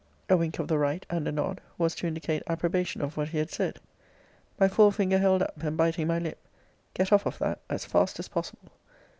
A wink of the right, and a nod, was to indicate approbation of what he had said. My fore finger held up, and biting my lip, get off of that, as fast as possible.